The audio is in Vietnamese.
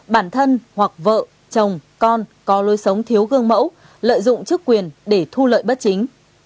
bản thân hoặc vợ chồng con có lối sống thiếu gương mẫu lợi dụng chức quyền để thu lợi bất chính